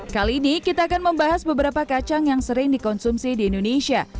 kali ini kita akan membahas beberapa kacang yang sering dikonsumsi di indonesia